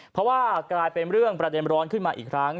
เพราะว่ากลายเป็นเรื่องประเด็นร้อนขึ้นมาอีกครั้ง